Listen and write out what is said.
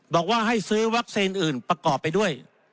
บอกว่าให้ซื้อวัคซีนอื่นประกอบไปด้วย